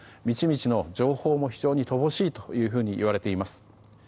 道々の情報も非常に乏しいというふうにいわれています。